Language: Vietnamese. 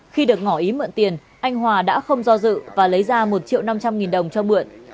khi được ngỏ ý mượn tiền anh hòa đã không do dự và lấy ra một triệu năm trăm linh nghìn đồng cho mượn